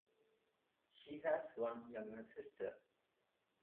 She has one younger sister.